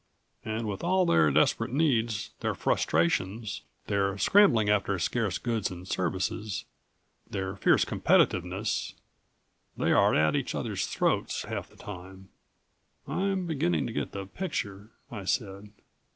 And with all their desperate needs, their frustrations, their scrambling after scarce goods and services, their fierce competitiveness, they are at each other's throats half of the time." "I'm beginning to get the picture," I said.